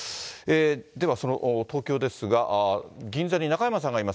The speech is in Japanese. では、その東京ですが、銀座に中山さんがいます。